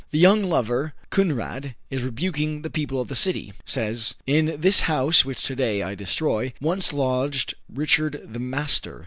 The young lover, Kunrad, in rebuking the people of the city, says: "In this house which to day I destroy, Once lodged Richard the Master.